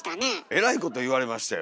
えらいこと言われましたよ。